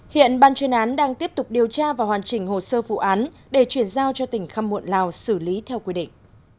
hiện ban chuyên án đang tiếp tục điều tra và hoàn chỉnh hồ sơ vụ án để chuyển giao cho tỉnh khăm muộn lào xử lý theo quy định